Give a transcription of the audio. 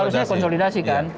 harusnya konsolidasi kan